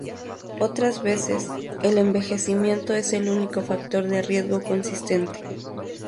Otras veces, el envejecimiento es el único factor de riesgo consistente.